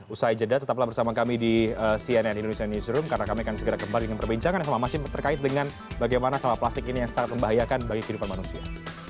usai jeda tetaplah bersama kami di cnn indonesia newsroom karena kami akan segera kembali dengan perbincangan yang sama masih terkait dengan bagaimana sampah plastik ini yang sangat membahayakan bagi kehidupan manusia